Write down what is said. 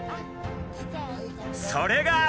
それが！